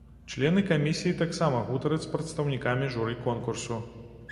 Члены камісіі таксама гутараць з прадстаўнікамі журы конкурсу.